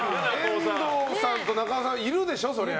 遠藤さんと中尾さんもいるでしょ、そりゃ。